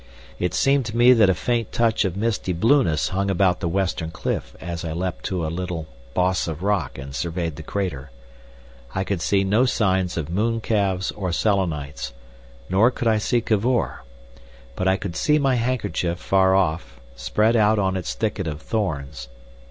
It seemed to me that a faint touch of misty blueness hung about the western cliff. I leapt to a little boss of rock and surveyed the crater. I could see no signs of mooncalves or Selenites, nor could I see Cavor, but I could see my handkerchief far off, spread out on its thicket of thorns.